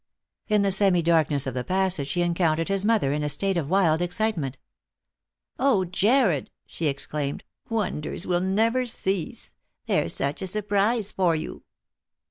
In the semi darkness of the passage he encountered his mother in a state of wild excitement. "0 Jarred," she exclaimed, "wonders will never cease! There's such a surprise for you."